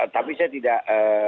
tapi saya tidak